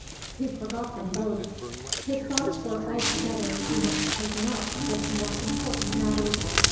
He forgot them both. His thoughts were altogether too much taken up with more important matters.